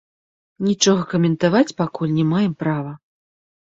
Нічога каментаваць пакуль не маем права.